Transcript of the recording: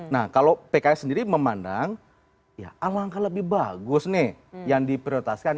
nah kalau pks sendiri memandang ya alangkah lebih bagus nih yang diprioritaskan